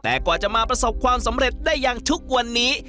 แต่กว่าจะมาประสบความสำเร็จได้อย่างทุกวันนี้